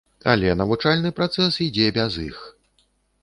Але навучальны працэс ідзе без іх.